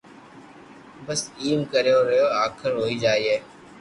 بس ايم ڪرتو رھي آخر ھوئي جائين